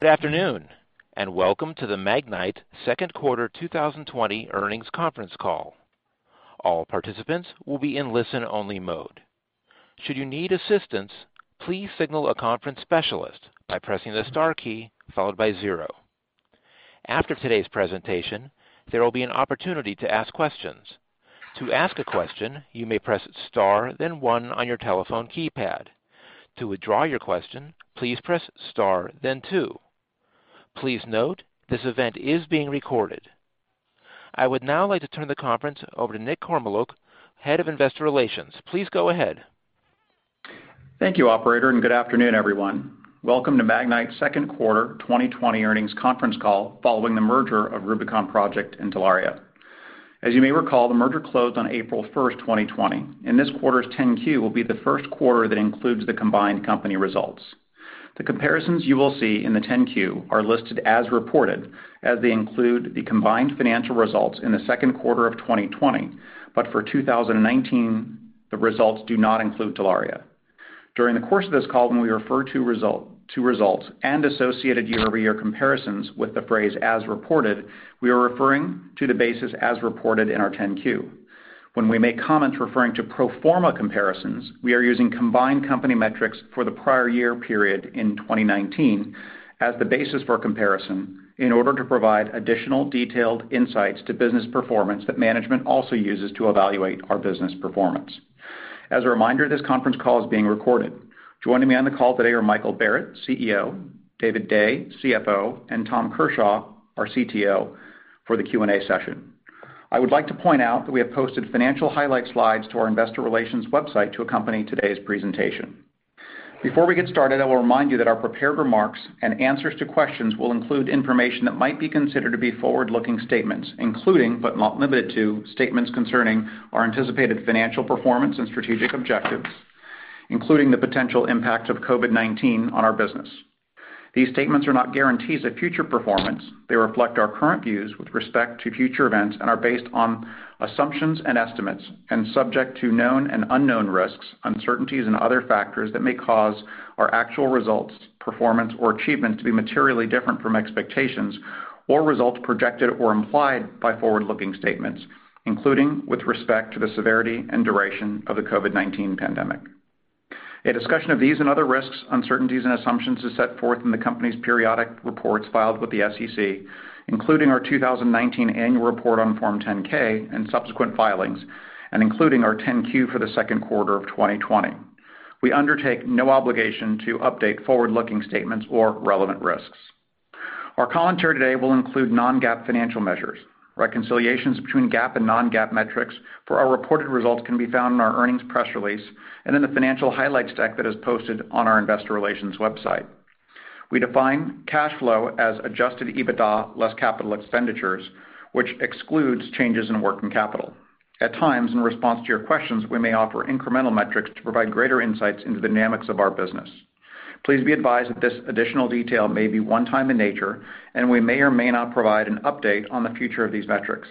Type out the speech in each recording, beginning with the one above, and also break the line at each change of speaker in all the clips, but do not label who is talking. Good afternoon, and welcome to the Magnite second quarter 2020 earnings conference call. All participants will be in listen-only mode. Should you need assistance, please signal a conference specialist by pressing the star key followed by zero. After today's presentation, there will be an opportunity to ask questions. To ask a question, you may press star then one on your telephone keypad. To withdraw your question, please press star then two. Please note, this event is being recorded. I would now like to turn the conference over to Nick Kormeluk, Head of Investor Relations. Please go ahead.
Thank you, operator, and good afternoon, everyone. Welcome to Magnite's second quarter 2020 earnings conference call following the merger of Rubicon Project and Telaria. As you may recall, the merger closed on April 1st, 2020, and this quarter's 10-Q will be the first quarter that includes the combined company results. The comparisons you will see in the 10-Q are listed as reported, as they include the combined financial results in the second quarter of 2020, but for 2019, the results do not include Telaria. During the course of this call, when we refer to results and associated year-over-year comparisons with the phrase as reported, we are referring to the basis as reported in our 10-Q. When we make comments referring to pro forma comparisons, we are using combined company metrics for the prior year period in 2019 as the basis for comparison in order to provide additional detailed insights to business performance that management also uses to evaluate our business performance. As a reminder, this conference call is being recorded. Joining me on the call today are Michael Barrett, CEO, David Day, CFO, and Tom Kershaw, our CTO for the Q&A session. I would like to point out that we have posted financial highlight slides to our investor relations website to accompany today's presentation. Before we get started, I will remind you that our prepared remarks and answers to questions will include information that might be considered to be forward-looking statements, including, but not limited to, statements concerning our anticipated financial performance and strategic objectives, including the potential impact of COVID-19 on our business. These statements are not guarantees of future performance. They reflect our current views with respect to future events and are based on assumptions and estimates and subject to known and unknown risks, uncertainties, and other factors that may cause our actual results, performance, or achievements to be materially different from expectations or results projected or implied by forward-looking statements, including with respect to the severity and duration of the COVID-19 pandemic. A discussion of these and other risks, uncertainties and assumptions is set forth in the company's periodic reports filed with the SEC, including our 2019 Annual Report on Form 10-K and subsequent filings, and including our 10-Q for the second quarter of 2020. We undertake no obligation to update forward-looking statements or relevant risks. Our commentary today will include non-GAAP financial measures. Reconciliations between GAAP and non-GAAP metrics for our reported results can be found in our earnings press release and in the financial highlight stack that is posted on our investor relations website. We define cash flow as adjusted EBITDA less capital expenditures, which excludes changes in working capital. At times, in response to your questions, we may offer incremental metrics to provide greater insights into the dynamics of our business. Please be advised that this additional detail may be one-time in nature, and we may or may not provide an update on the future of these metrics.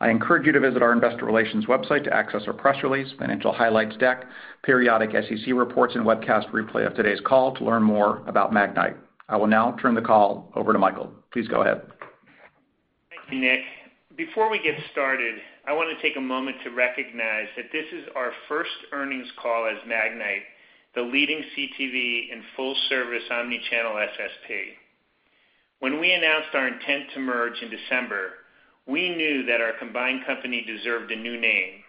I encourage you to visit our investor relations website to access our press release, financial highlights deck, periodic SEC reports, and webcast replay of today's call to learn more about Magnite. I will now turn the call over to Michael. Please go ahead.
Thank you, Nick. Before we get started, I want to take a moment to recognize that this is our first earnings call as Magnite, the leading CTV and full-service omni-channel SSP. When we announced our intent to merge in December, we knew that our combined company deserved a new name,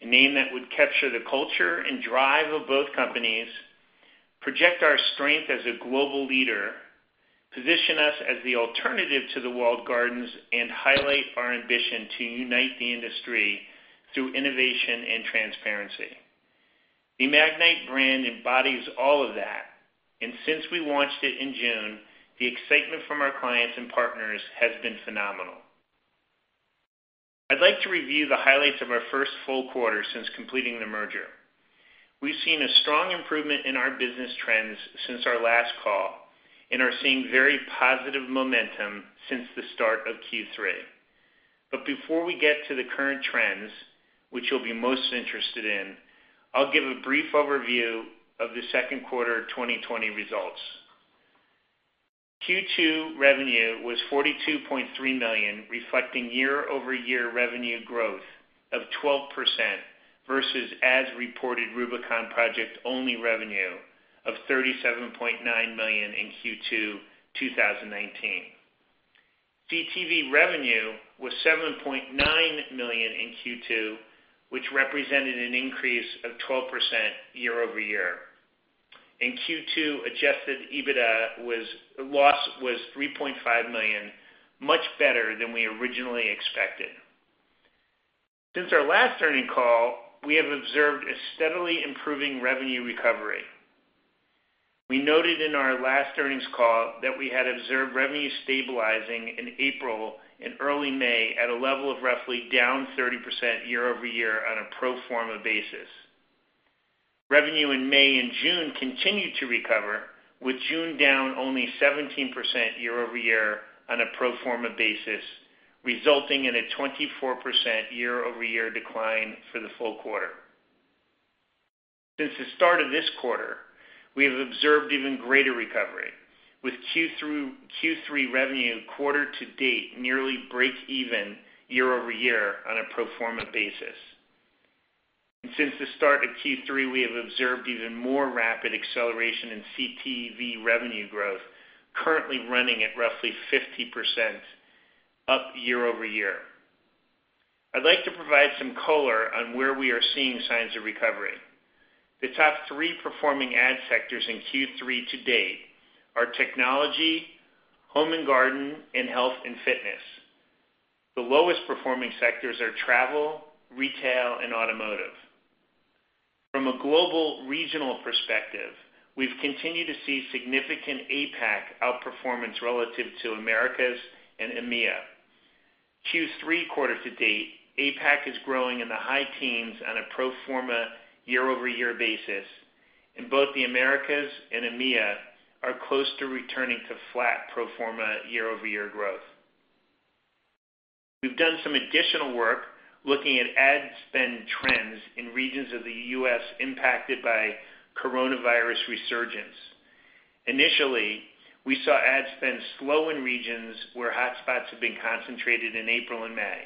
a name that would capture the culture and drive of both companies, project our strength as a global leader, position us as the alternative to the walled gardens, and highlight our ambition to unite the industry through innovation and transparency. The Magnite brand embodies all of that, and since we launched it in June, the excitement from our clients and partners has been phenomenal. I'd like to review the highlights of our first full quarter since completing the merger. We've seen a strong improvement in our business trends since our last call and are seeing very positive momentum since the start of Q3. Before we get to the current trends, which you'll be most interested in, I'll give a brief overview of the second quarter 2020 results. Q2 revenue was $42.3 million, reflecting year-over-year revenue growth of 12% versus as-reported Rubicon Project-only revenue of $37.9 million in Q2 2019. CTV revenue was $7.9 million in Q2, which represented an increase of 12% year over year. In Q2, adjusted EBITDA loss was $3.5 million, much better than we originally expected. Since our last earnings call, we have observed a steadily improving revenue recovery. We noted in our last earnings call that we had observed revenue stabilizing in April and early May at a level of roughly down 30% year over year on a pro forma basis. Revenue in May and June continued to recover, with June down only 17% year-over-year on a pro forma basis, resulting in a 24% year-over-year decline for the full quarter. Since the start of this quarter, we have observed even greater recovery with Q3 revenue quarter-to-date nearly breakeven year-over-year on a pro forma basis. Since the start of Q3, we have observed even more rapid acceleration in CTV revenue growth, currently running at roughly 50% up year-over-year. I'd like to provide some color on where we are seeing signs of recovery. The top three performing ad sectors in Q3 to-date are technology, home and garden, and health and fitness. The lowest performing sectors are travel, retail, and automotive. From a global regional perspective, we've continued to see significant APAC outperformance relative to Americas and EMEA. Q3 quarter to date, APAC is growing in the high teens on a pro forma year-over-year basis, and both the Americas and EMEA are close to returning to flat pro forma year-over-year growth. We've done some additional work looking at ad spend trends in regions of the U.S. impacted by coronavirus resurgence. Initially, we saw ad spend slow in regions where hotspots have been concentrated in April and May.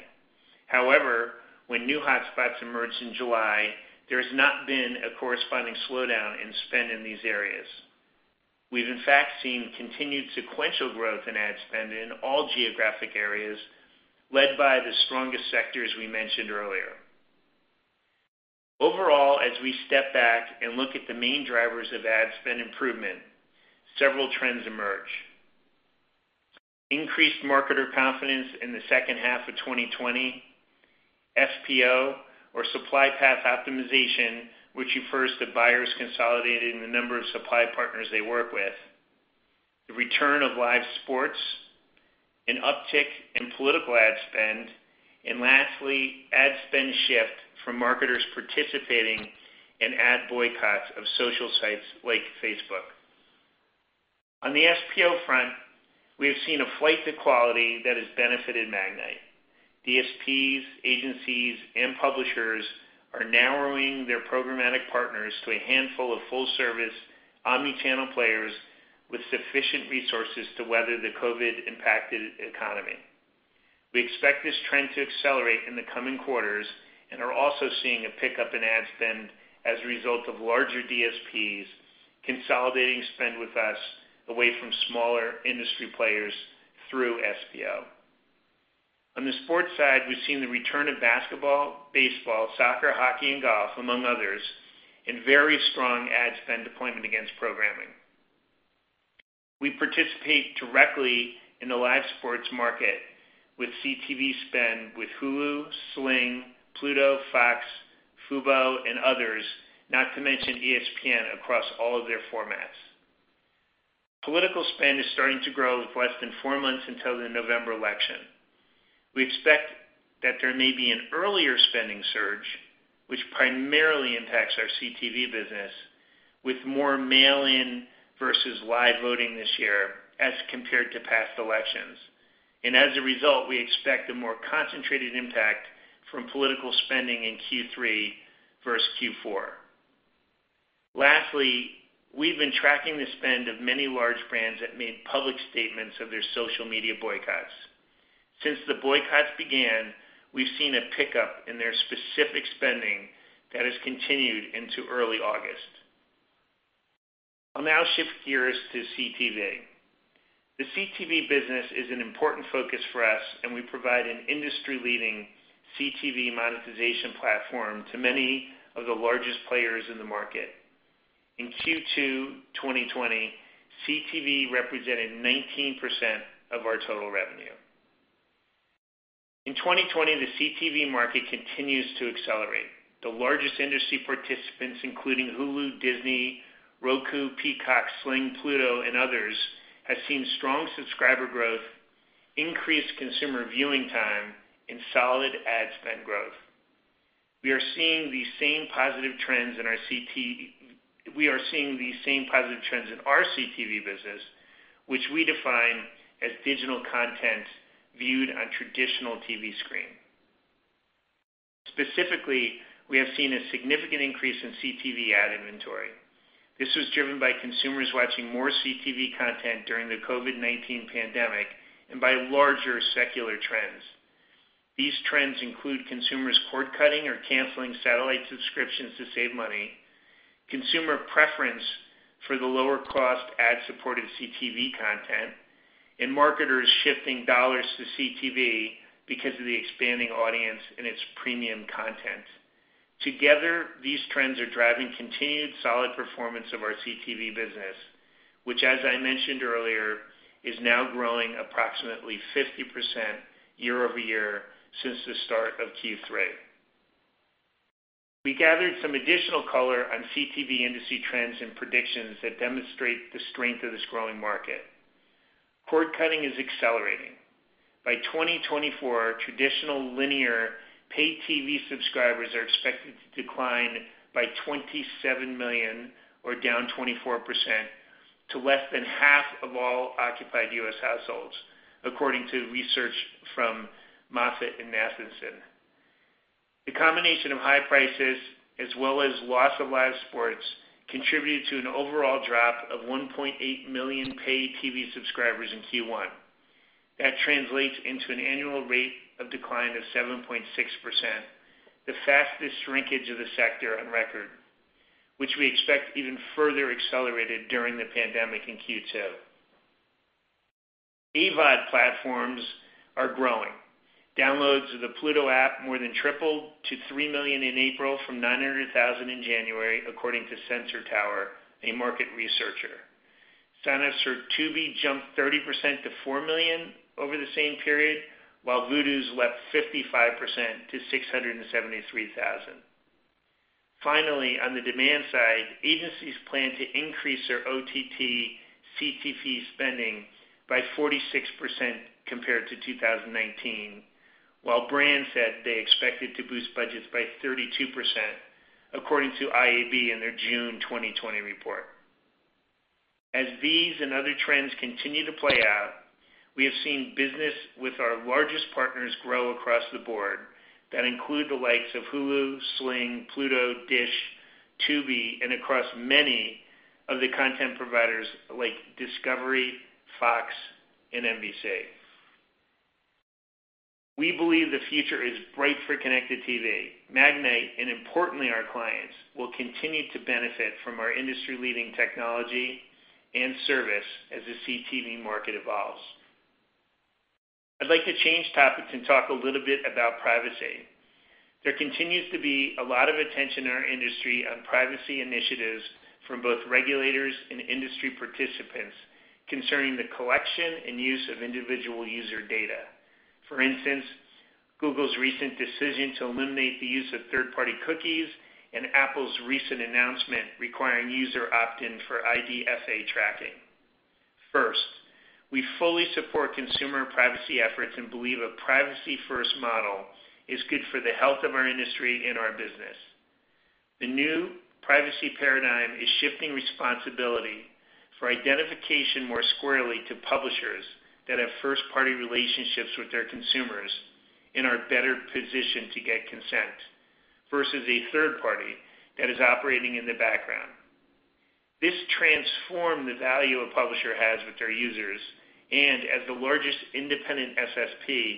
When new hotspots emerged in July, there's not been a corresponding slowdown in spend in these areas. We've in fact seen continued sequential growth in ad spend in all geographic areas, led by the strongest sectors we mentioned earlier. As we step back and look at the main drivers of ad spend improvement, several trends emerge. Increased marketer confidence in the second half of 2020, SPO, or supply path optimization, which refers to buyers consolidating the number of supply partners they work with, the return of live sports, an uptick in political ad spend, and lastly, ad spend shift from marketers participating in ad boycotts of social sites like Facebook. On the SPO front, we have seen a flight to quality that has benefited Magnite. DSPs, agencies, and publishers are narrowing their programmatic partners to a handful of full service omni-channel players with sufficient resources to weather the COVID impacted economy. We expect this trend to accelerate in the coming quarters and are also seeing a pickup in ad spend as a result of larger DSPs consolidating spend with us away from smaller industry players through SPO. On the sports side, we've seen the return of basketball, baseball, soccer, hockey, and golf, among others, and very strong ad spend deployment against programming. We participate directly in the live sports market with CTV spend with Hulu, Sling, Pluto, Fox, Fubo, and others, not to mention ESPN across all of their formats. Political spend is starting to grow with less than four months until the November election. We expect that there may be an earlier spending surge, which primarily impacts our CTV business, with more mail-in versus live voting this year as compared to past elections. As a result, we expect a more concentrated impact from political spending in Q3 versus Q4. Lastly, we've been tracking the spend of many large brands that made public statements of their social media boycotts. Since the boycotts began, we've seen a pickup in their specific spending that has continued into early August. I'll now shift gears to CTV. The CTV business is an important focus for us. We provide an industry leading CTV monetization platform to many of the largest players in the market. In Q2 2020, CTV represented 19% of our total revenue. In 2020, the CTV market continues to accelerate. The largest industry participants, including Hulu, Disney, Roku, Peacock, Sling, Pluto, and others, have seen strong subscriber growth, increased consumer viewing time, and solid ad spend growth. We are seeing the same positive trends in our CTV business, which we define as digital content viewed on traditional TV screen. Specifically, we have seen a significant increase in CTV ad inventory. This was driven by consumers watching more CTV content during the COVID-19 pandemic and by larger secular trends. These trends include consumers cord cutting or canceling satellite subscriptions to save money, consumer preference for the lower cost ad supported CTV content, and marketers shifting dollars to CTV because of the expanding audience and its premium content. Together, these trends are driving continued solid performance of our CTV business, which, as I mentioned earlier, is now growing approximately 50% year-over-year since the start of Q3. We gathered some additional color on CTV industry trends and predictions that demonstrate the strength of this growing market. Cord cutting is accelerating. By 2024, traditional linear pay TV subscribers are expected to decline by 27 million or down 24% to less than half of all occupied U.S. households, according to research from MoffettNathanson. The combination of high prices as well as loss of live sports contributed to an overall drop of 1.8 million paid TV subscribers in Q1. That translates into an annual rate of decline of 7.6%, the fastest shrinkage of the sector on record, which we expect even further accelerated during the pandemic in Q2. AVOD platforms are growing. Downloads of the Pluto app more than tripled to 3 million in April from 900,000 in January, according to Sensor Tower, a market researcher. Signups for Tubi jumped 30% to 4 million over the same period, while Vudu's leapt 55% to 673,000. Finally, on the demand side, agencies plan to increase their OTT CTV spending by 46% compared to 2019, while brands said they expected to boost budgets by 32%, according to IAB in their June 2020 report. As these and other trends continue to play out, we have seen business with our largest partners grow across the board that include the likes of Hulu, Sling, Pluto, Dish, Tubi, and across many of the content providers like Discovery, Fox and NBC. We believe the future is bright for connected TV. Magnite, and importantly, our clients, will continue to benefit from our industry-leading technology and service as the CTV market evolves. I'd like to change topics and talk a little bit about privacy. There continues to be a lot of attention in our industry on privacy initiatives from both regulators and industry participants concerning the collection and use of individual user data. For instance, Google's recent decision to eliminate the use of third-party cookies and Apple's recent announcement requiring user opt-in for IDFA tracking. First, we fully support consumer privacy efforts and believe a privacy first model is good for the health of our industry and our business. The new privacy paradigm is shifting responsibility for identification more squarely to publishers that have first party relationships with their consumers and are better positioned to get consent versus a third party that is operating in the background. This transform the value a publisher has with their users, and as the largest independent SSP,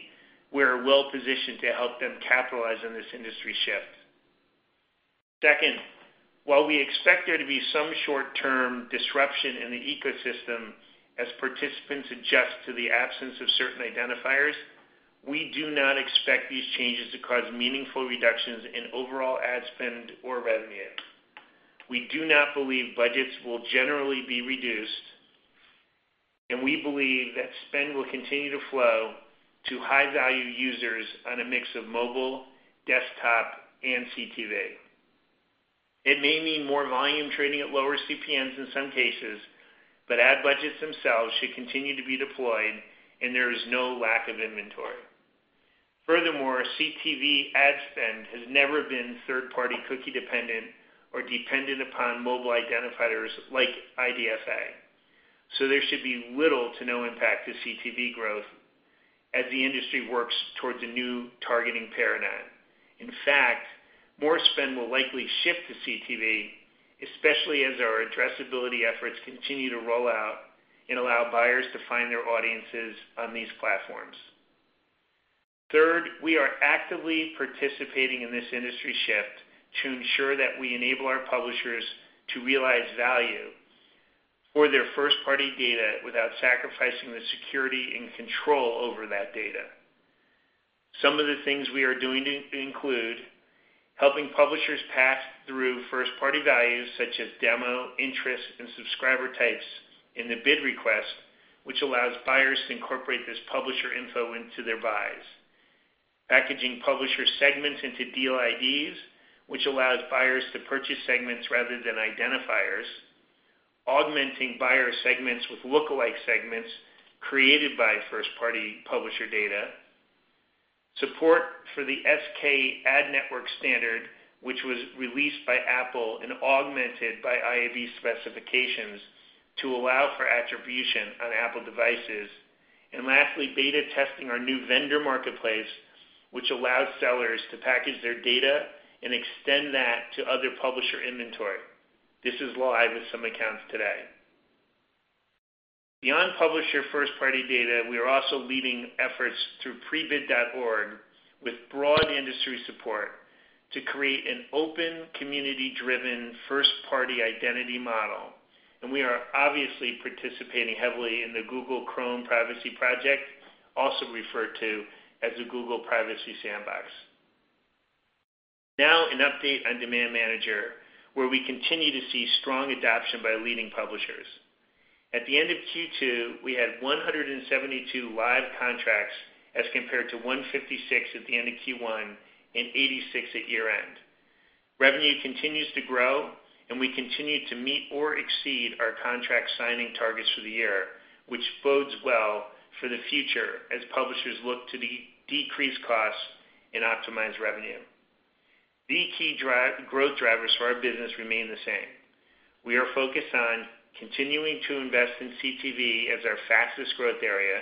we're well positioned to help them capitalize on this industry shift. Second, while we expect there to be some short-term disruption in the ecosystem as participants adjust to the absence of certain identifiers, we do not expect these changes to cause meaningful reductions in overall ad spend or revenue. We do not believe budgets will generally be reduced, and we believe that spend will continue to flow to high value users on a mix of mobile, desktop and CTV. It may mean more volume trading at lower CPMs in some cases, but ad budgets themselves should continue to be deployed and there is no lack of inventory. Furthermore, CTV ad spend has never been third party cookie dependent or dependent upon mobile identifiers like IDFA, so there should be little to no impact to CTV growth as the industry works towards a new targeting paradigm. In fact, more spend will likely shift to CTV, especially as our addressability efforts continue to roll out and allow buyers to find their audiences on these platforms. Third, we are actively participating in this industry shift to ensure that we enable our publishers to realize value for their first-party data without sacrificing the security and control over that data. Some of the things we are doing include helping publishers pass through first party values such as demo, interest, and subscriber types in the bid request, which allows buyers to incorporate this publisher info into their buys. Packaging publisher segments into Deal IDs, which allows buyers to purchase segments rather than identifiers. Augmenting buyer segments with lookalike segments created by first party publisher data. Support for the SKAdNetwork standard, which was released by Apple and augmented by IAB specifications to allow for attribution on Apple devices. Lastly, beta testing our new Vendor Marketplace, which allows sellers to package their data and extend that to other publisher inventory. This is live with some accounts today. Beyond publisher first party data, we are also leading efforts through Prebid.org with broad industry support to create an open, community driven first party identity model. We are obviously participating heavily in the Google Chrome Privacy Project, also referred to as the Google Privacy Sandbox. Now an update on Demand Manager, where we continue to see strong adoption by leading publishers. At the end of Q2, we had 172 live contracts as compared to 156 at the end of Q1 and 86 at year end. Revenue continues to grow and we continue to meet or exceed our contract signing targets for the year, which bodes well for the future as publishers look to decrease costs and optimize revenue. The key growth drivers for our business remain the same. We are focused on continuing to invest in CTV as our fastest growth area,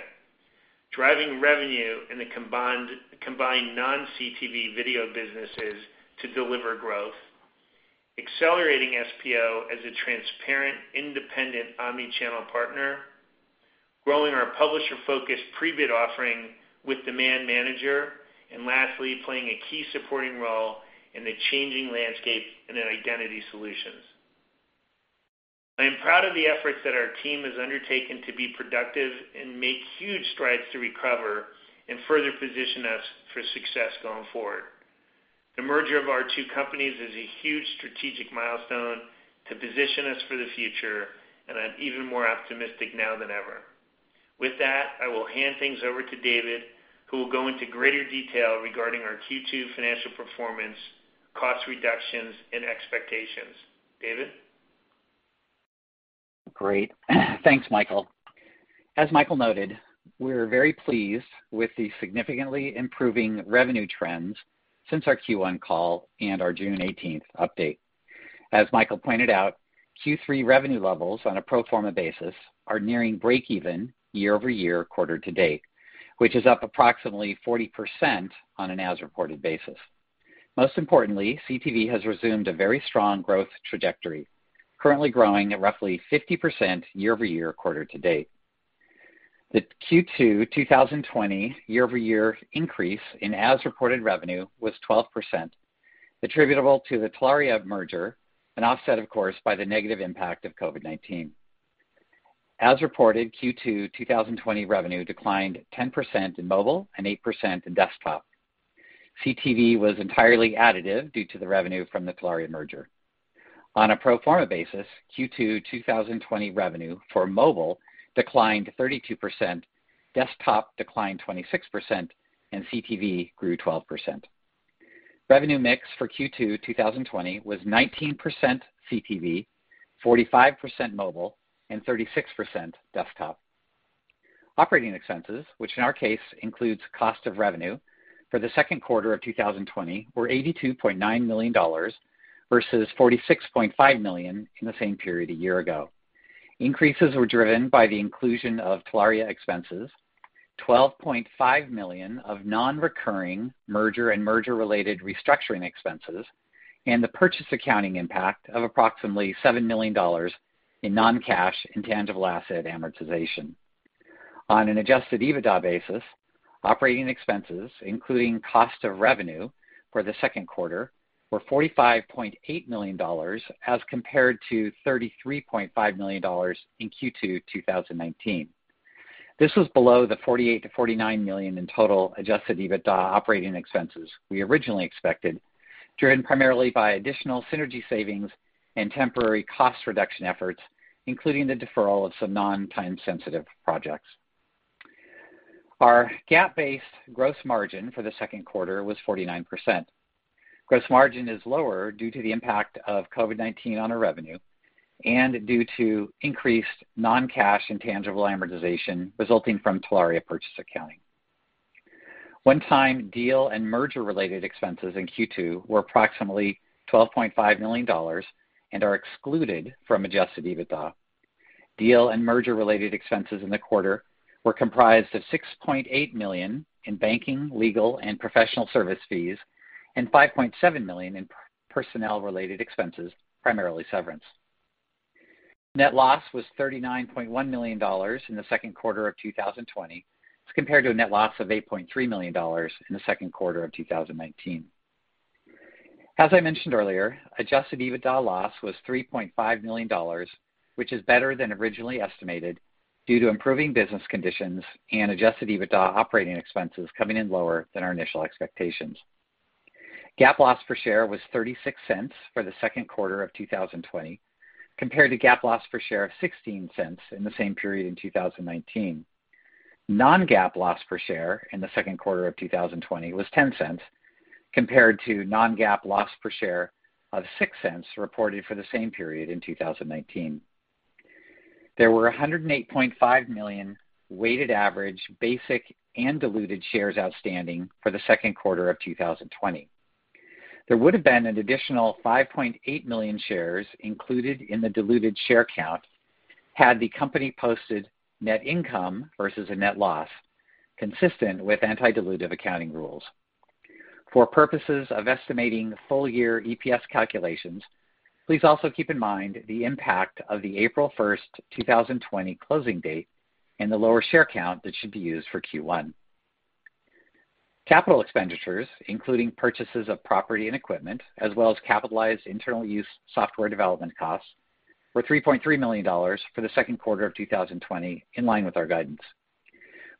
driving revenue in the combined non-CTV video businesses to deliver growth, accelerating SPO as a transparent, independent omni-channel partner, growing our publisher-focused Prebid offering with Demand Manager, and lastly, playing a key supporting role in the changing landscape in an identity solutions. I am proud of the efforts that our team has undertaken to be productive and make huge strides to recover and further position us for success going forward. The merger of our two companies is a huge strategic milestone to position us for the future, and I'm even more optimistic now than ever. With that, I will hand things over to David, who will go into greater detail regarding our Q2 financial performance, cost reductions, and expectations. David?
Great. Thanks, Michael. As Michael noted, we're very pleased with the significantly improving revenue trends since our Q1 call and our June 18th update. As Michael pointed out, Q3 revenue levels on a pro forma basis are nearing break even year-over-year, quarter to date, which is up approximately 40% on an as-reported basis. Most importantly, CTV has resumed a very strong growth trajectory, currently growing at roughly 50% year-over-year, quarter to date. The Q2 2020 year-over-year increase in as-reported revenue was 12%, attributable to the Telaria merger, and offset, of course, by the negative impact of COVID-19. As reported, Q2 2020 revenue declined 10% in mobile and 8% in desktop. CTV was entirely additive due to the revenue from the Telaria merger. On a pro forma basis, Q2 2020 revenue for mobile declined 32%, desktop declined 26%, and CTV grew 12%. Revenue mix for Q2 2020 was 19% CTV, 45% mobile, and 36% desktop. Operating expenses, which in our case includes cost of revenue, for the second quarter of 2020 were $82.9 million versus $46.5 million in the same period a year ago. Increases were driven by the inclusion of Telaria expenses, $12.5 million of non-recurring merger and merger related restructuring expenses, and the purchase accounting impact of approximately $7 million in non-cash intangible asset amortization. On an adjusted EBITDA basis, operating expenses, including cost of revenue for the second quarter, were $45.8 million as compared to $33.5 million in Q2 2019. This was below the $48 million-$49 million in total adjusted EBITDA operating expenses we originally expected, driven primarily by additional synergy savings and temporary cost reduction efforts, including the deferral of some non-time sensitive projects. Our GAAP-based gross margin for the second quarter was 49%. Gross margin is lower due to the impact of COVID-19 on our revenue and due to increased non-cash intangible amortization resulting from Telaria purchase accounting. One-time deal and merger related expenses in Q2 were approximately $12.5 million and are excluded from adjusted EBITDA. Deal and merger related expenses in the quarter were comprised of $6.8 million in banking, legal, and professional service fees and $5.7 million in personnel related expenses, primarily severance. Net loss was $39.1 million in the second quarter of 2020 as compared to a net loss of $8.3 million in the second quarter of 2019. As I mentioned earlier, adjusted EBITDA loss was $3.5 million, which is better than originally estimated due to improving business conditions and adjusted EBITDA operating expenses coming in lower than our initial expectations. GAAP loss per share was $0.36 for the second quarter of 2020, compared to GAAP loss per share of $0.16 in the same period in 2019. Non-GAAP loss per share in the second quarter of 2020 was $0.10 compared to non-GAAP loss per share of $0.06 reported for the same period in 2019. There were 108.5 million weighted average basic and diluted shares outstanding for the second quarter of 2020. There would have been an additional 5.8 million shares included in the diluted share count had the company posted net income versus a net loss, consistent with anti-dilutive accounting rules. For purposes of estimating full year EPS calculations, please also keep in mind the impact of the April 1st, 2020 closing date and the lower share count that should be used for Q1. Capital expenditures, including purchases of property and equipment, as well as capitalized internal use software development costs, were $3.3 million for the second quarter of 2020, in line with our guidance.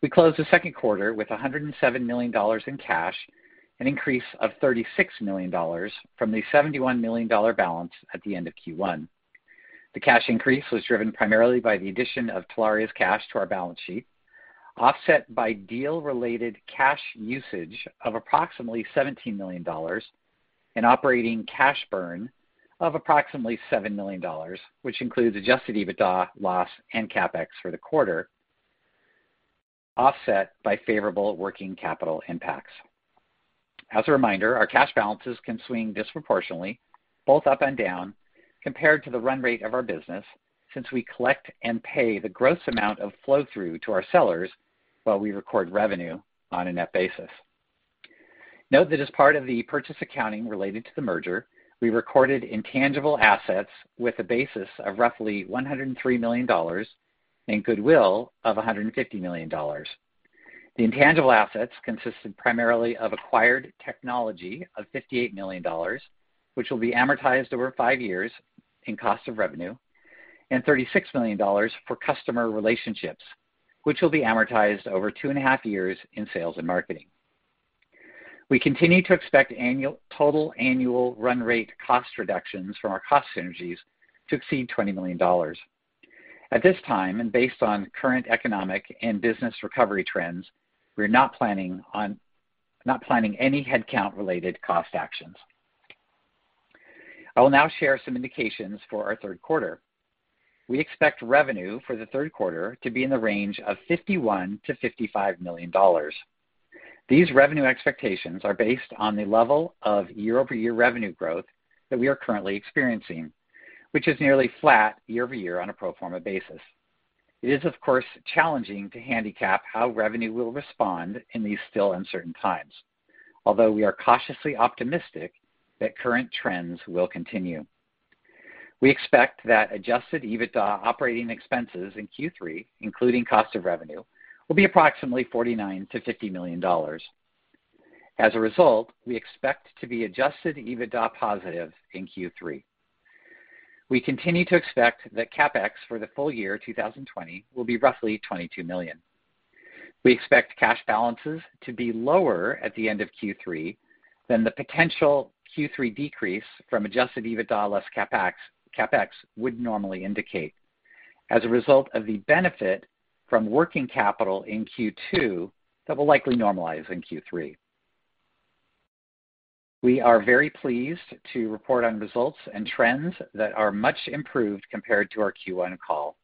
We closed the second quarter with $107 million in cash, an increase of $36 million from the $71 million balance at the end of Q1. The cash increase was driven primarily by the addition of Telaria's cash to our balance sheet, offset by deal related cash usage of approximately $17 million, an operating cash burn of approximately $7 million, which includes adjusted EBITDA loss and CapEx for the quarter. Offset by favorable working capital impacts. As a reminder, our cash balances can swing disproportionately both up and down compared to the run rate of our business, since we collect and pay the gross amount of flow-through to our sellers while we record revenue on a net basis. Note that as part of the purchase accounting related to the merger, we recorded intangible assets with a basis of roughly $103 million in goodwill of $150 million. The intangible assets consisted primarily of acquired technology of $58 million, which will be amortized over five years in cost of revenue, and $36 million for customer relationships, which will be amortized over two and a half years in sales and marketing. We continue to expect total annual run rate cost reductions from our cost synergies to exceed $20 million. At this time, and based on current economic and business recovery trends, we're not planning any headcount related cost actions. I will now share some indications for our third quarter. We expect revenue for the third quarter to be in the range of $51 million-$55 million. These revenue expectations are based on the level of year-over-year revenue growth that we are currently experiencing, which is nearly flat year-over-year on a pro forma basis. It is, of course, challenging to handicap how revenue will respond in these still uncertain times, although we are cautiously optimistic that current trends will continue. We expect that adjusted EBITDA operating expenses in Q3, including cost of revenue, will be approximately $49 million-$50 million. As a result, we expect to be adjusted EBITDA positive in Q3. We continue to expect that CapEx for the full year 2020 will be roughly $22 million. We expect cash balances to be lower at the end of Q3 than the potential Q3 decrease from adjusted EBITDA less CapEx would normally indicate as a result of the benefit from working capital in Q2, that will likely normalize in Q3. We are very pleased to report on results and trends that are much improved compared to our Q1 call.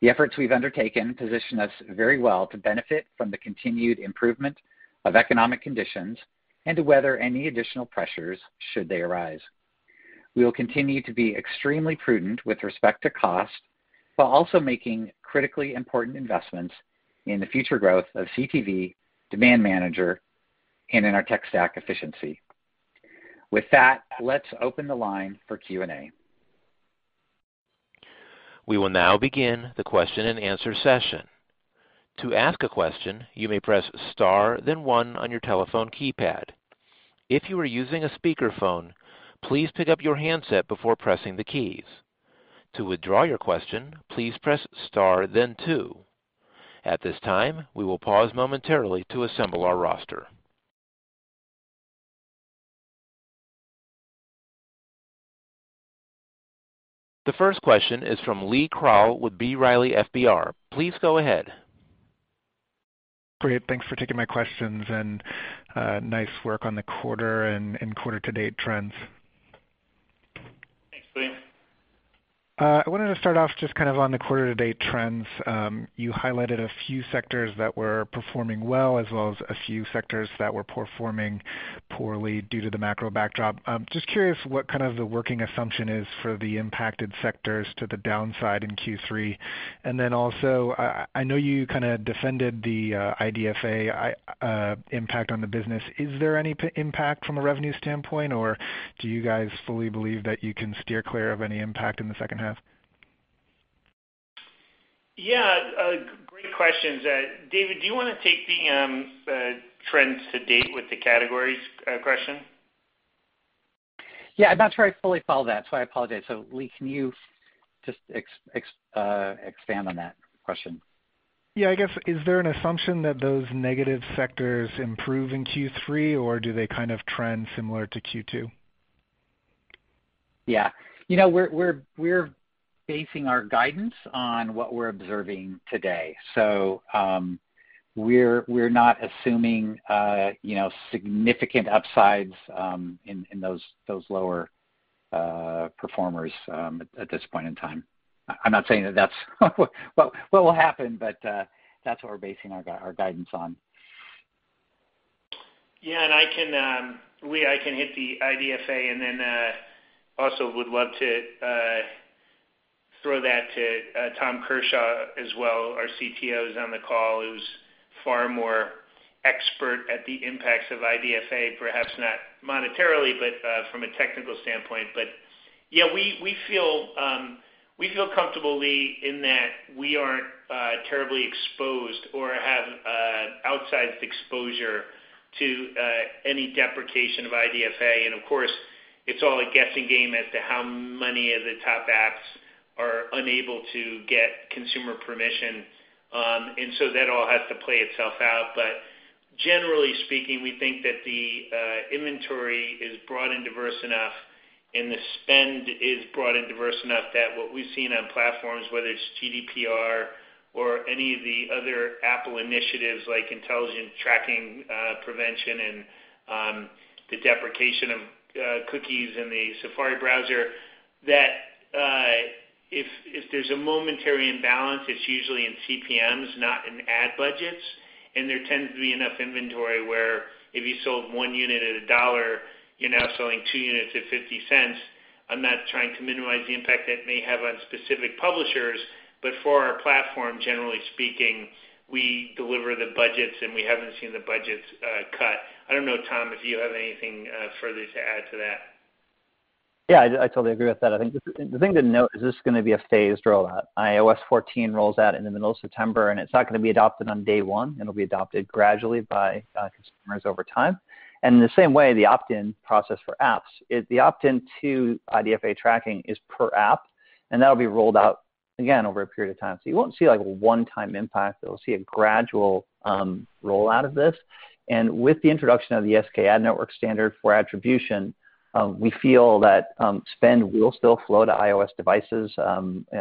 The efforts we've undertaken position us very well to benefit from the continued improvement of economic conditions and to weather any additional pressures should they arise. We will continue to be extremely prudent with respect to cost, while also making critically important investments in the future growth of CTV Demand Manager and in our tech stack efficiency. With that, let's open the line for Q&A.
We will now begin the question and answer session. The first question is from Lee Krowl with B. Riley FBR. Please go ahead.
Great. Thanks for taking my questions and nice work on the quarter and quarter to date trends.
Thanks, Lee.
I wanted to start off just kind of on the quarter to date trends. You highlighted a few sectors that were performing well, as well as a few sectors that were performing poorly due to the macro backdrop. Just curious what kind of the working assumption is for the impacted sectors to the downside in Q3. Then also, I know you kind of defended the IDFA impact on the business. Is there any impact from a revenue standpoint, or do you guys fully believe that you can steer clear of any impact in the second half?
Yeah, great questions. David, do you want to take the trends to date with the categories question?
Yeah, I'm not sure I fully follow that, so I apologize. Lee, can you just expand on that question?
Yeah, I guess, is there an assumption that those negative sectors improve in Q3, or do they kind of trend similar to Q2?
Yeah. We're basing our guidance on what we're observing today. We're not assuming significant upsides in those lower performers at this point in time. I'm not saying that that's what will happen, but that's what we're basing our guidance on.
Yeah, Lee, I can hit the IDFA and then also would love to throw that to Tom Kershaw as well, our CTO, who's on the call, who's far more expert at the impacts of IDFA, perhaps not monetarily, but from a technical standpoint. Yeah, we feel comfortable, Lee, in that we aren't terribly exposed or have outsized exposure to any deprecation of IDFA. Of course, it's all a guessing game as to how many of the top apps are unable to get consumer permission. That all has to play itself out. Generally speaking, we think that the inventory is broad and diverse enough, and the spend is broad and diverse enough that what we've seen on platforms, whether it's GDPR or any of the other Apple initiatives like Intelligent Tracking Prevention and the deprecation of cookies in the Safari browser. If there's a momentary imbalance, it's usually in CPMs, not in ad budgets, and there tends to be enough inventory where if you sold one unit at $1, you're now selling two units at $0.50. I'm not trying to minimize the impact that may have on specific publishers, for our platform, generally speaking, we deliver the budgets and we haven't seen the budgets cut. I don't know, Tom, if you have anything further to add to that.
Yeah, I totally agree with that. I think the thing to note is this is going to be a phased rollout. iOS 14 rolls out in the middle of September, and it's not going to be adopted on day one. It'll be adopted gradually by customers over time. In the same way, the opt-in process for apps, the opt-in to IDFA tracking is per app, and that'll be rolled out again over a period of time. You won't see a one-time impact, but we'll see a gradual rollout of this. With the introduction of the SKAdNetwork standard for attribution, we feel that spend will still flow to iOS devices.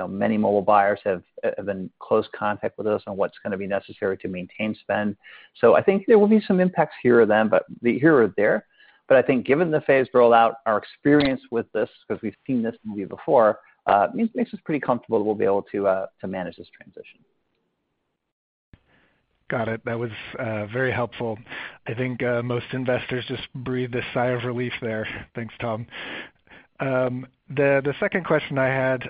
Many mobile buyers have been in close contact with us on what's going to be necessary to maintain spend. I think there will be some impacts here or there, but I think given the phased rollout, our experience with this, because we've seen this movie before, it makes us pretty comfortable that we'll be able to manage this transition.
Got it. That was very helpful. I think most investors just breathed a sigh of relief there. Thanks, Tom. The second question I had,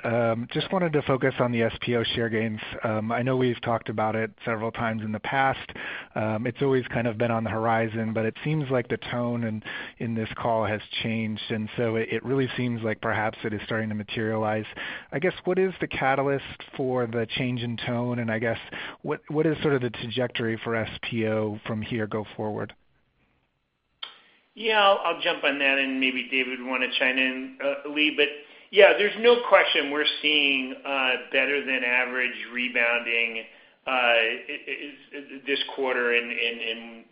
just wanted to focus on the SPO share gains. I know we've talked about it several times in the past. It's always kind of been on the horizon, but it seems like the tone in this call has changed, and so it really seems like perhaps it is starting to materialize. I guess, what is the catalyst for the change in tone, and I guess what is sort of the trajectory for SPO from here go forward?
Yeah, I'll jump on that and maybe David would want to chime in, Lee. There's no question we're seeing better than average rebounding this quarter and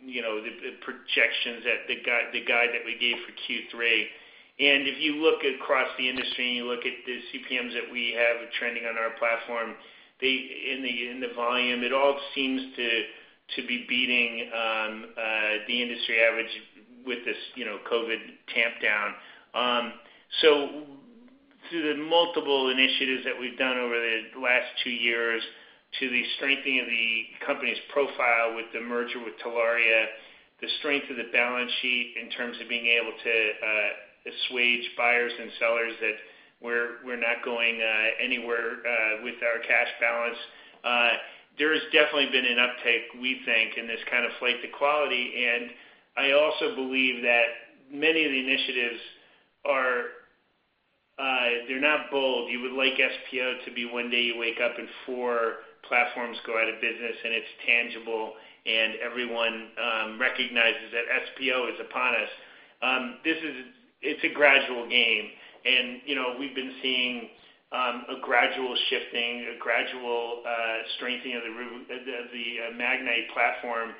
the projections that the guide that we gave for Q3. If you look across the industry and you look at the CPMs that we have trending on our platform, in the volume, it all seems to be beating the industry average with this COVID tamp down. Through the multiple initiatives that we've done over the last two years to the strengthening of the company's profile with the merger with Telaria, the strength of the balance sheet in terms of being able to assuage buyers and sellers that we're not going anywhere with our cash balance. There has definitely been an uptake, we think, in this kind of flight to quality. I also believe that many of the initiatives are not bold. You would like SPO to be one day you wake up and four platforms go out of business and it's tangible and everyone recognizes that SPO is upon us. It's a gradual game. We've been seeing a gradual shifting, a gradual strengthening of the Magnite platform.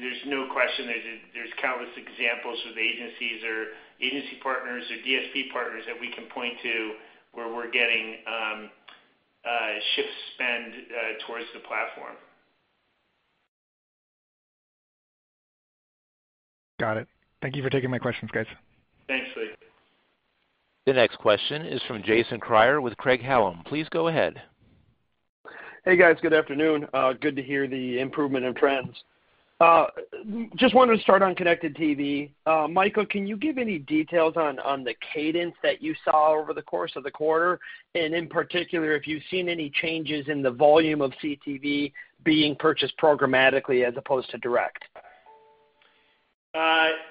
There's no question there's countless examples of agencies or agency partners or DSP partners that we can point to where we're getting shift spend towards the platform.
Got it. Thank you for taking my questions, guys.
Thanks, Lee.
The next question is from Jason Kreyer with Craig-Hallum. Please go ahead.
Hey, guys. Good afternoon. Good to hear the improvement of trends. Just wanted to start on connected TV. Michael, can you give any details on the cadence that you saw over the course of the quarter? In particular, if you've seen any changes in the volume of CTV being purchased programmatically as opposed to direct?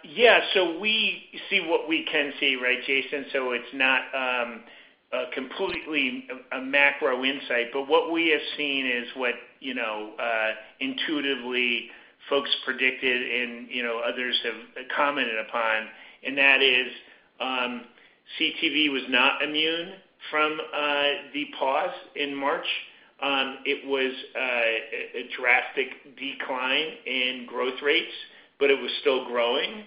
Yeah. We see what we can see, right, Jason Kreyer? It's not completely a macro insight, but what we have seen is what intuitively folks predicted and others have commented upon, and that is CTV was not immune from the pause in March. It was a drastic decline in growth rates, but it was still growing.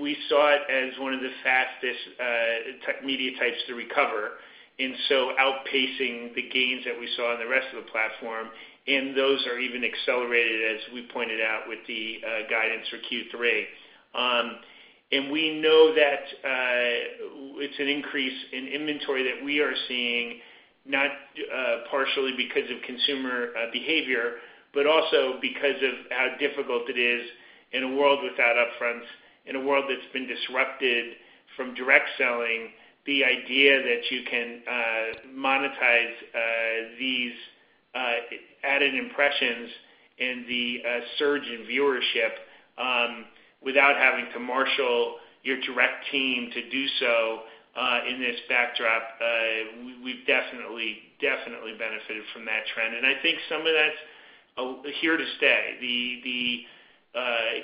We saw it as one of the fastest media types to recover. Outpacing the gains that we saw in the rest of the platform, and those are even accelerated, as we pointed out with the guidance for Q3. We know that it's an increase in inventory that we are seeing not partially because of consumer behavior, but also because of how difficult it is in a world without upfronts, in a world that's been disrupted from direct selling, the idea that you can monetize these added impressions and the surge in viewership without having to marshal your direct team to do so in this backdrop. We've definitely benefited from that trend, and I think some of that's here to stay. The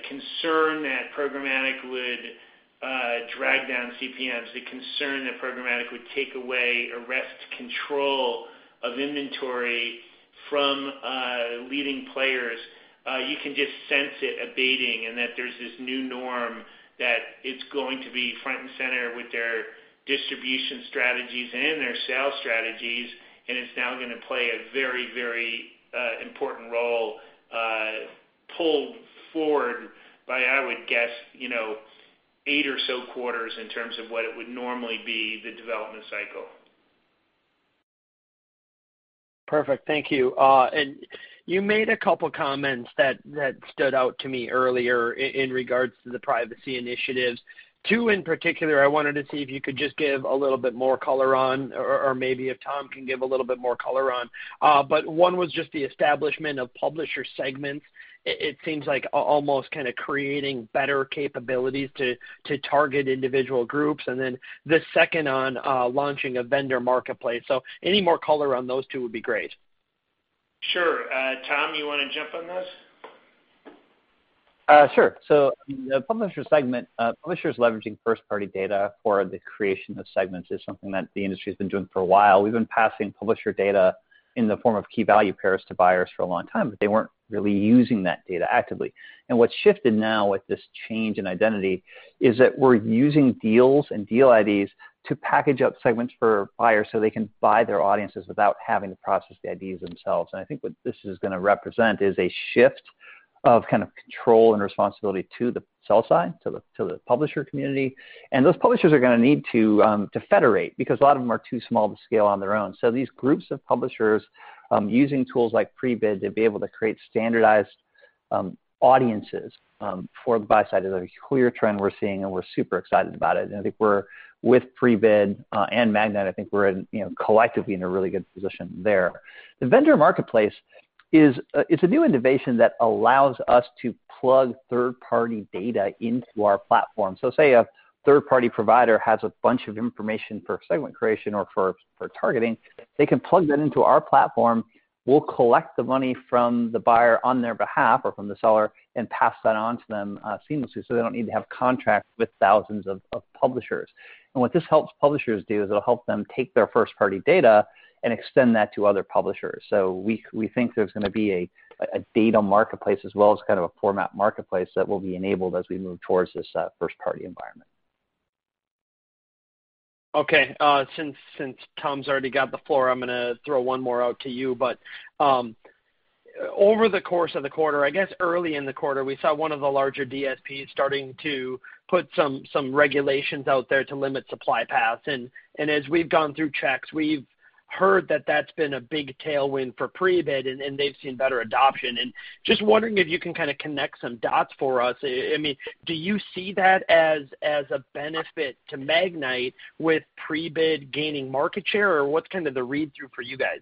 concern that programmatic would drag down CPMs, the concern that programmatic would take away or wrest control of inventory from leading players, you can just sense it abating and that there's this new norm that it's going to be front and center with their distribution strategies and in their sales strategies, and it's now going to play a very important role. Pulled forward by, I would guess, eight or so quarters in terms of what it would normally be, the development cycle.
Perfect. Thank you. You made a couple comments that stood out to me earlier in regards to the privacy initiatives. Two in particular, I wanted to see if you could just give a little bit more color on, or maybe if Tom can give a little bit more color on. One was just the establishment of publisher segments. It seems like almost kind of creating better capabilities to target individual groups, and then the second on launching a Vendor Marketplace. Any more color on those two would be great.
Sure. Tom, you want to jump on this?
The publisher segment, publishers leveraging first-party data for the creation of segments is something that the industry has been doing for a while. We've been passing publisher data in the form of key-value pairs to buyers for a long time, but they weren't really using that data actively. What's shifted now with this change in identity is that we're using deals and Deal IDs to package up segments for buyers so they can buy their audiences without having to process the IDs themselves. I think what this is going to represent is a shift of kind of control and responsibility to the sell side, to the publisher community. Those publishers are going to need to federate, because a lot of them are too small to scale on their own. These groups of publishers, using tools like Prebid to be able to create standardized audiences for the buy side is a clear trend we're seeing, and we're super excited about it. I think with Prebid and Magnite, I think we're collectively in a really good position there. The Vendor Marketplace is a new innovation that allows us to plug third-party data into our platform. Say a third-party provider has a bunch of information for segment creation or for targeting, they can plug that into our platform. We'll collect the money from the buyer on their behalf or from the seller and pass that on to them seamlessly so they don't need to have contracts with thousands of publishers. What this helps publishers do is it'll help them take their first-party data and extend that to other publishers. We think there's going to be a data marketplace as well as kind of a format marketplace that will be enabled as we move towards this first-party environment.
Okay. Since Tom's already got the floor, I'm going to throw one more out to you, but over the course of the quarter, I guess early in the quarter, we saw one of the larger DSPs starting to put some regulations out there to limit supply paths. As we've gone through checks, we've heard that that's been a big tailwind for Prebid and they've seen better adoption. Just wondering if you can kind of connect some dots for us. Do you see that as a benefit to Magnite with Prebid gaining market share? What's kind of the read-through for you guys?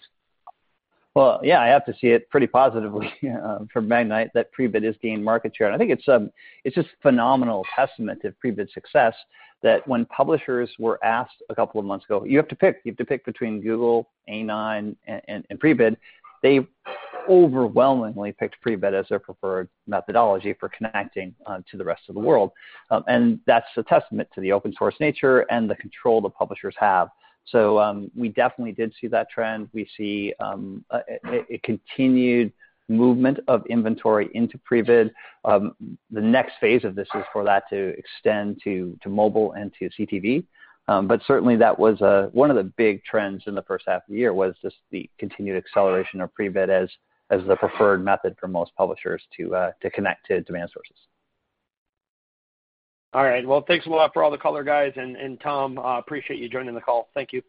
Yeah, I have to see it pretty positively for Magnite that Prebid has gained market share. I think it's just a phenomenal testament to Prebid's success that when publishers were asked a couple of months ago, "You have to pick between Google, A9, and Prebid," they overwhelmingly picked Prebid as their preferred methodology for connecting to the rest of the world. That's a testament to the open source nature and the control the publishers have. We definitely did see that trend. We see a continued movement of inventory into Prebid. The next phase of this is for that to extend to mobile and to CTV. Certainly that was one of the big trends in the first half of the year, was just the continued acceleration of Prebid as the preferred method for most publishers to connect to demand sources.
All right. Well, thanks a lot for all the color, guys, and Tom, appreciate you joining the call. Thank you.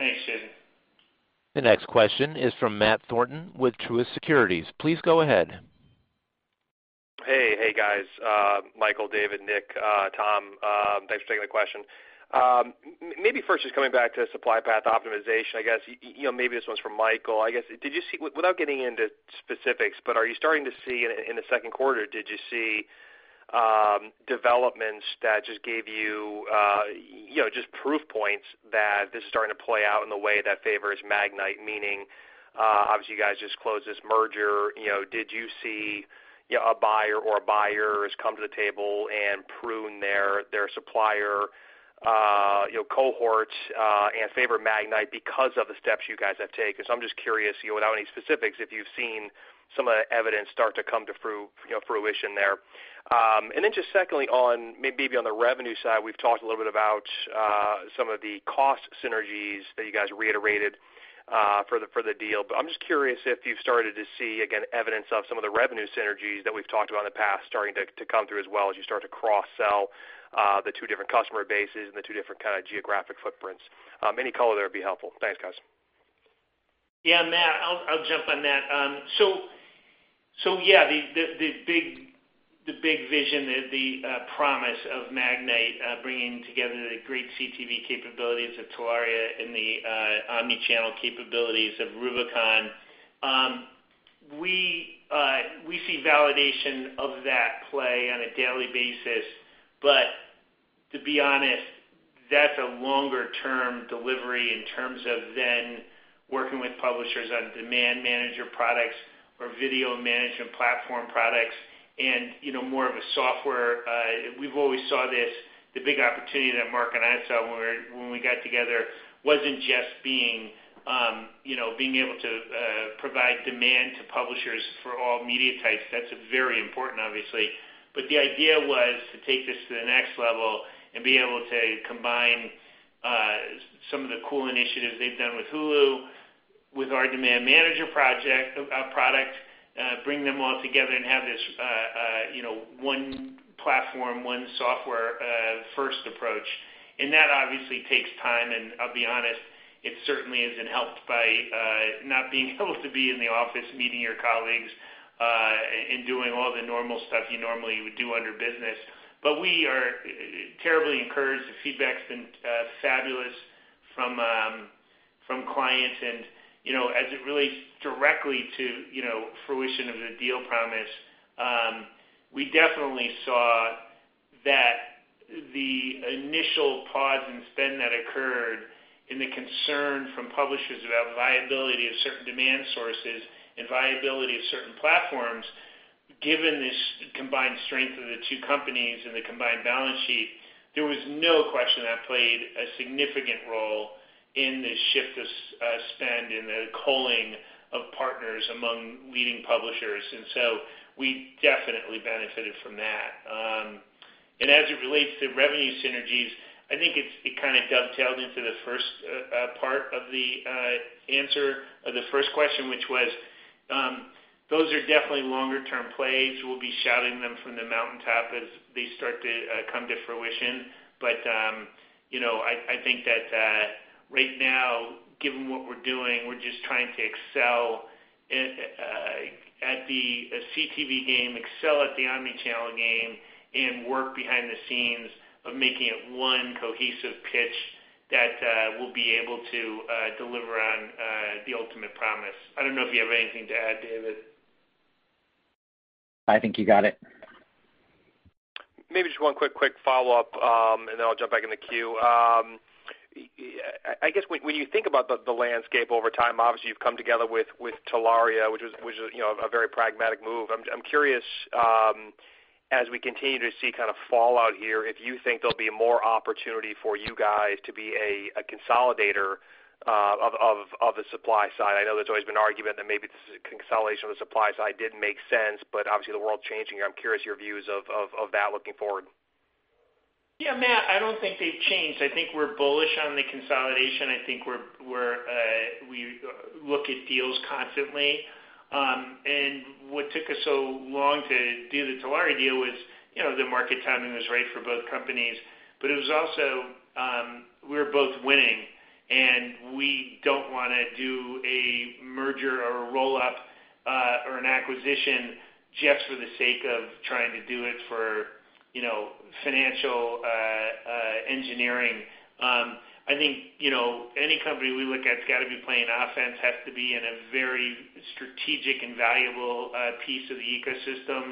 Thanks, Jason.
The next question is from Matt Thornton with Truist Securities. Please go ahead.
Hey, guys. Michael, David, Nick, Tom, thanks for taking the question. Maybe first just coming back to supply path optimization, I guess, maybe this one's for Michael. Without getting into specifics, but are you starting to see in the second quarter, did you see developments that just gave you just proof points that this is starting to play out in the way that favors Magnite? Meaning, obviously, you guys just closed this merger. Did you see a buyer or buyers come to the table and prune their supplier cohorts, and favor Magnite because of the steps you guys have taken? I'm just curious, without any specifics, if you've seen some of the evidence start to come to fruition there. Just secondly on maybe on the revenue side, we've talked a little bit about some of the cost synergies that you guys reiterated for the deal. I'm just curious if you've started to see, again, evidence of some of the revenue synergies that we've talked about in the past starting to come through as well as you start to cross-sell the two different customer bases and the two different kind of geographic footprints. Any color there would be helpful. Thanks, guys.
Yeah, Matt, I'll jump on that. Yeah, the big vision, the promise of Magnite bringing together the great CTV capabilities of Telaria and the omni-channel capabilities of Rubicon, we see validation of that play on a daily basis. To be honest, that's a longer-term delivery in terms of then working with publishers on Demand Manager products or video management platform products. We've always saw this, the big opportunity that Mark and I saw when we got together wasn't just being able to provide demand to publishers for all media types. That's very important, obviously. The idea was to take this to the next level and be able to combine some of the cool initiatives they've done with Hulu, with our Demand Manager project, product, bring them all together and have this one platform, one software-first approach. That obviously takes time, and I'll be honest, it certainly isn't helped by not being able to be in the office, meeting your colleagues, and doing all the normal stuff you normally would do under business. We are terribly encouraged. The feedback's been fabulous from clients and as it relates directly to fruition of the deal promise, we definitely saw that the initial pause in spend that occurred and the concern from publishers about viability of certain demand sources and viability of certain platforms, given this combined strength of the two companies and the combined balance sheet, there was no question that played a significant role in the shift of spend and the culling of partners among leading publishers. We definitely benefited from that. As it relates to revenue synergies, I think it kind of dovetailed into the first part of the answer of the first question, which was, those are definitely longer-term plays. We'll be shouting them from the mountaintop as they start to come to fruition. I think that right now, given what we're doing, we're just trying to excel at the CTV game, excel at the omni-channel game, and work behind the scenes of making it one cohesive pitch that we'll be able to deliver on the ultimate promise. I don't know if you have anything to add, David.
I think you got it.
Maybe just one quick follow-up, and then I'll jump back in the queue. I guess when you think about the landscape over time, obviously you've come together with Telaria, which was a very pragmatic move. I'm curious, as we continue to see fallout here, if you think there'll be more opportunity for you guys to be a consolidator of the supply side. I know there's always been an argument that maybe this consolidation of the supply side didn't make sense, but obviously the world's changing. I'm curious your views of that looking forward.
Yeah, Matt, I don't think they've changed. I think we're bullish on the consolidation. I think we look at deals constantly. What took us so long to do the Telaria deal was the market timing was right for both companies, but it was also we were both winning, and we don't want to do a merger or a roll-up or an acquisition just for the sake of trying to do it for financial engineering. I think any company we look at that's got to be playing offense, has to be in a very strategic and valuable piece of the ecosystem,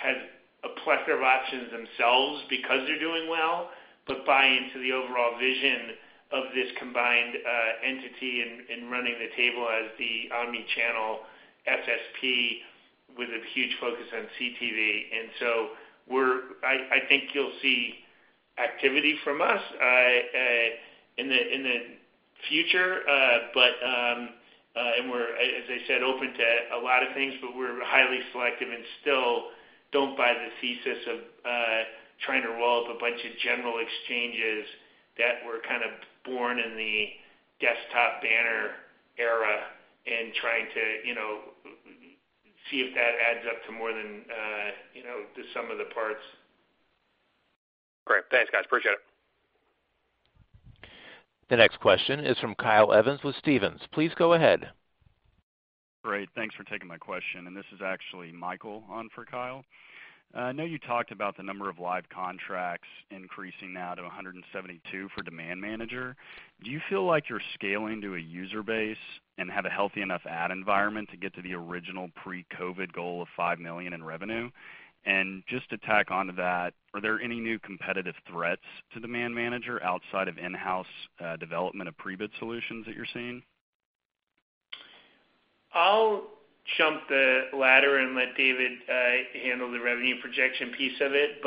has a plethora of options themselves because they're doing well, but buy into the overall vision of this combined entity and running the table as the omni-channel SSP with a huge focus on CTV. I think you'll see activity from us in the future. We're, as I said, open to a lot of things, but we're highly selective and still don't buy the thesis of trying to roll up a bunch of general exchanges that were kind of born in the desktop banner era and trying to see if that adds up to more than the sum of the parts.
Great. Thanks, guys. Appreciate it.
The next question is from Kyle Evans with Stephens. Please go ahead.
Great. Thanks for taking my question. This is actually Michael on for Kyle. I know you talked about the number of live contracts increasing now to 172 for Demand Manager. Do you feel like you're scaling to a user base and have a healthy enough ad environment to get to the original pre-COVID goal of $5 million in revenue? Just to tack onto that, are there any new competitive threats to Demand Manager outside of in-house development of Prebid solutions that you're seeing?
I'll jump the ladder and let David handle the revenue projection piece of it.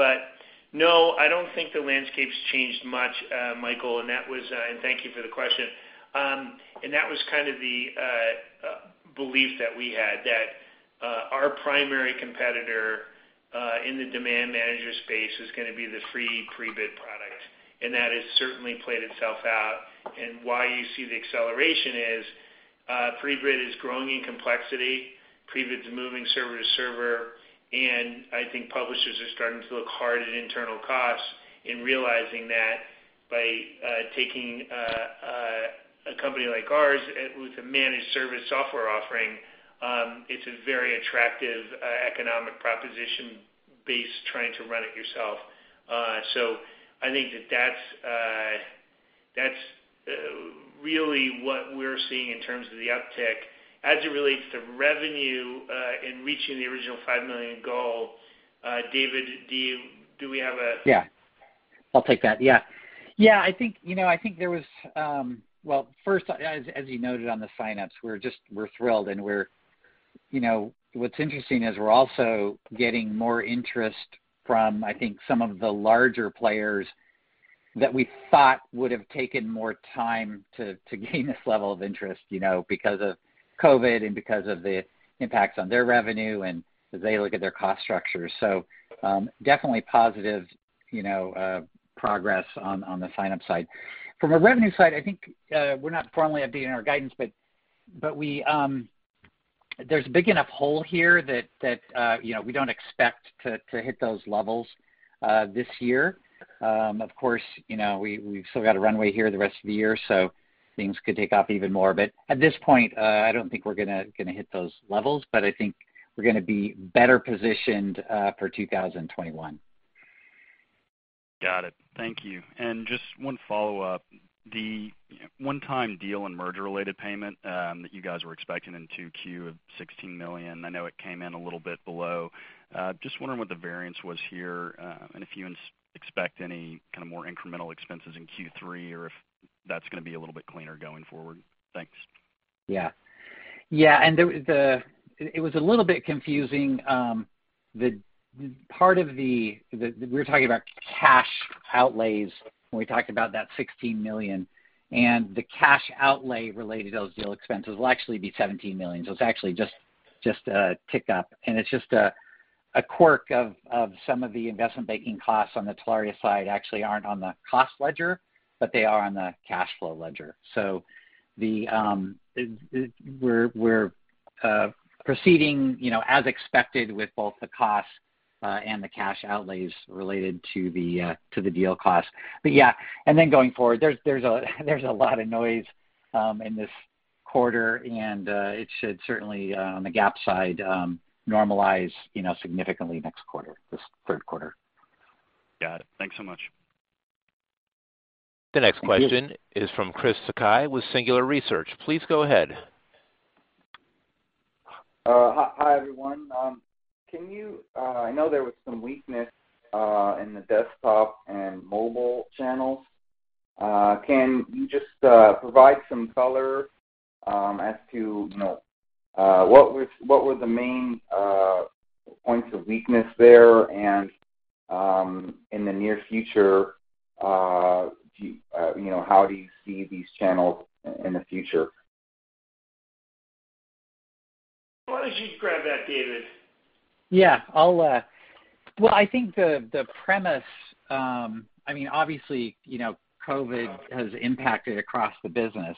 No, I don't think the landscape's changed much, Michael, thank you for the question. That was kind of the belief that we had, that our primary competitor in the Demand Manager space was going to be the free Prebid product, that has certainly played itself out. Why you see the acceleration is Prebid is growing in complexity, Prebid's moving server to server, I think publishers are starting to look hard at internal costs and realizing that by taking a company like ours with a managed service software offering, it's a very attractive economic proposition base trying to run it yourself. I think that that's really what we're seeing in terms of the uptick. As it relates to revenue and reaching the original $5 million goal, David, do we have.
Yeah. I'll take that. Yeah. Well, first, as you noted on the sign-ups, we're thrilled, and what's interesting is we're also getting more interest from, I think, some of the larger players that we thought would've taken more time to gain this level of interest because of COVID and because of the impacts on their revenue and as they look at their cost structures. Definitely positive progress on the sign-up side. From a revenue side, I think we're not formally updating our guidance. There's a big enough hole here that we don't expect to hit those levels this year. Of course, we've still got a runway here the rest of the year. Things could take off even more. At this point, I don't think we're going to hit those levels. I think we're going to be better positioned for 2021.
Got it. Thank you. Just one follow-up, the one-time deal and merger-related payment that you guys were expecting in 2Q of $16 million, I know it came in a little bit below. Just wondering what the variance was here, and if you expect any kind of more incremental expenses in Q3 or if that's going to be a little bit cleaner going forward? Thanks.
Yeah. It was a little bit confusing. We were talking about cash outlays when we talked about that $16 million, and the cash outlay related to those deal expenses will actually be $17 million. It's actually just a tick up, and it's just a quirk of some of the investment banking costs on the Telaria side actually aren't on the cost ledger, but they are on the cash flow ledger. We're proceeding as expected with both the costs, and the cash outlays related to the deal cost. Yeah, then going forward, there's a lot of noise in this quarter, and it should certainly, on the GAAP side, normalize significantly next quarter, this third quarter.
Got it. Thanks so much.
The next question is from Chris Sakai with Singular Research. Please go ahead.
Hi, everyone. I know there was some weakness in the desktop and mobile channels. Can you just provide some color as to what were the main points of weakness there, and in the near future, how do you see these channels in the future?
Why don't you grab that, David?
Yeah. Well, I think the premise, obviously, COVID has impacted across the business.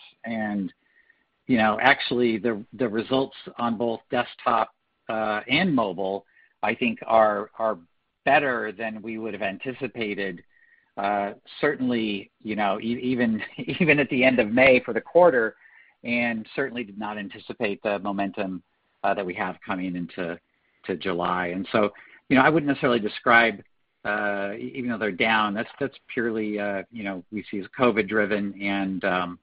Actually, the results on both desktop and mobile, I think, are better than we would've anticipated. Certainly, even at the end of May for the quarter, certainly did not anticipate the momentum that we have coming into July. I wouldn't necessarily describe, even though they're down, that's purely we see as COVID-driven, and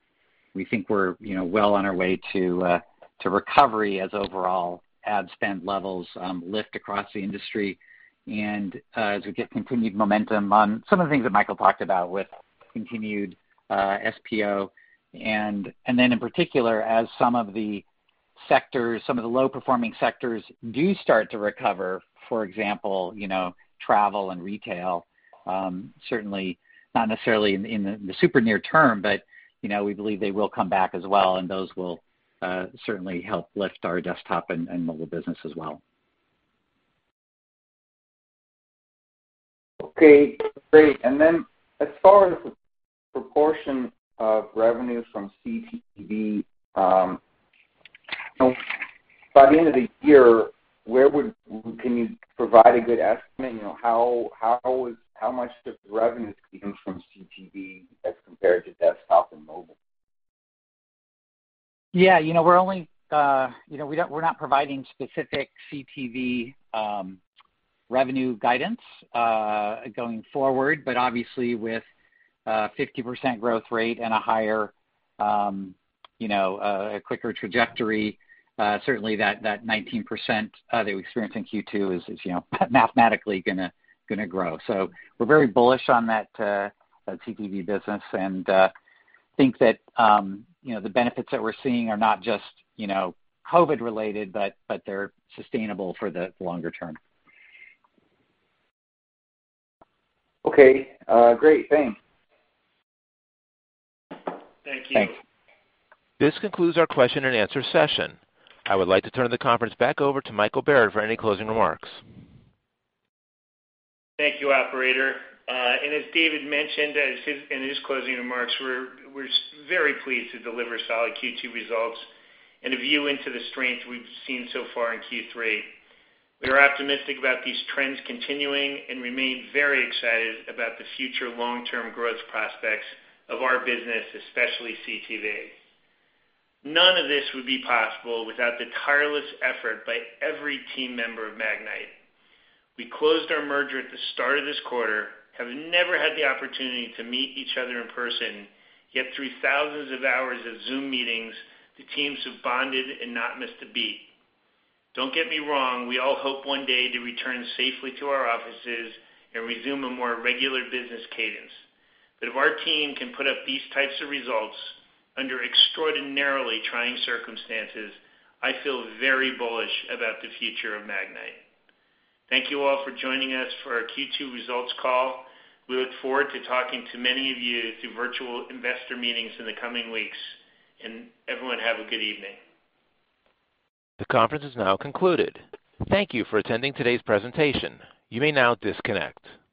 we think we're well on our way to recovery as overall ad spend levels lift across the industry, and as we get continued momentum on some of the things that Michael talked about with continued SPO. In particular, as some of the low-performing sectors do start to recover, for example, travel and retail, certainly not necessarily in the super near term, but we believe they will come back as well, and those will certainly help lift our desktop and mobile business as well.
Okay, great. As far as the proportion of revenues from CTV, by the end of the year, can you provide a good estimate? How much of the revenues came from CTV as compared to desktop and mobile?
Yeah. We're not providing specific CTV revenue guidance going forward. Obviously, with a 50% growth rate and a quicker trajectory, certainly that 19% that we experienced in Q2 is mathematically gonna grow. We're very bullish on that CTV business, and think that the benefits that we're seeing are not just COVID-related, but they're sustainable for the longer term.
Okay, great. Thanks.
Thank you.
Thanks.
This concludes our question and answer session. I would like to turn the conference back over to Michael Barrett for any closing remarks.
Thank you, operator. As David mentioned in his closing remarks, we're very pleased to deliver solid Q2 results and a view into the strength we've seen so far in Q3. We are optimistic about these trends continuing and remain very excited about the future long-term growth prospects of our business, especially CTV. None of this would be possible without the tireless effort by every team member of Magnite. We closed our merger at the start of this quarter, have never had the opportunity to meet each other in person, yet through thousands of hours of Zoom meetings, the teams have bonded and not missed a beat. Don't get me wrong, we all hope one day to return safely to our offices and resume a more regular business cadence. If our team can put up these types of results under extraordinarily trying circumstances, I feel very bullish about the future of Magnite. Thank you all for joining us for our Q2 results call. We look forward to talking to many of you through virtual investor meetings in the coming weeks. Everyone have a good evening.
The conference is now concluded. Thank you for attending today's presentation. You may now disconnect.